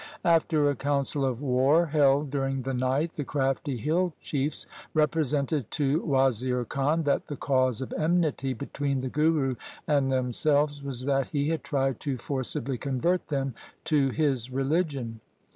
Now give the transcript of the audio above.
After a council of war held during the night the crafty hill chiefs represented to Wazir Khan that the cause of enmity between the Guru and them selves was that he had tried to forcibly convert them to his religion.